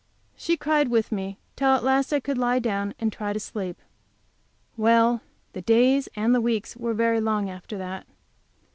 She cried with me, till at last I could lie down and try to sleep. Well, the days and the weeks were very long after that.